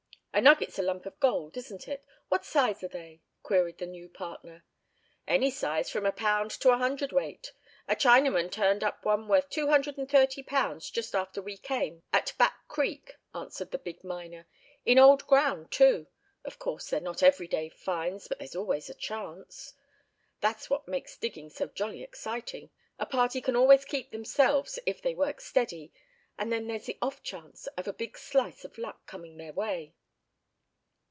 "A nugget's a lump of gold, isn't it? What size are they?" queried the new partner. "Any size from a pound to a hundredweight. A Chinaman turned up one worth £230 just after we came, at Back Creek," answered the big miner; "in old ground, too. Of course, they're not everyday finds. But there's always a chance. That's what makes digging so jolly excitin', a party can always keep themselves if they work steady, and then there's the off chance of a big slice of luck comin' their way."